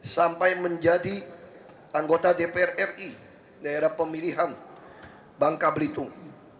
sampai menjadi anggota dpr ri daerah pemilihan bangka belitung